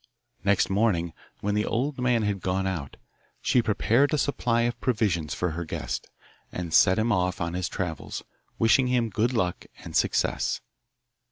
Next morning, when the old man had gone out, she prepared a supply of provisions for her guest, and sent him off on his travels, wishing him good luck and success.